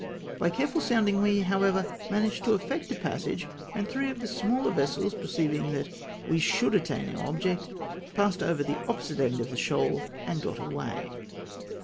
By careful sounding we, however, managed to effect a passage, and three of the smaller vessels perceiving that we should attain our object, passed over the opposite end of the shoal and got away.